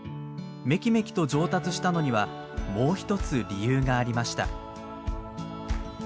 メキメキと上達したのにはもうひとつ理由がありました。